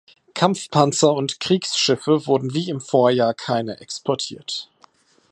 Kampfpanzer und Kriegsschiffe wurden wie im Vorjahr keine exportiert.